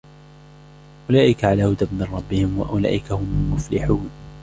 أولئك على هدى من ربهم وأولئك هم المفلحون